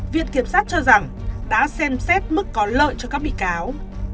viện kiểm sát cho rằng đã xem xét mức có lợi cho các bị cáo